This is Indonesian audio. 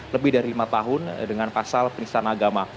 lebih dari lima tahun dengan pasal penistaan agama